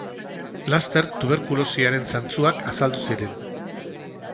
Laster tuberkulosiaren zantzuak azaldu ziren.